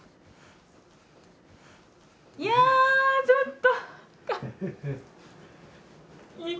いやあ、ちょっと。